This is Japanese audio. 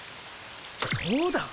そうだ！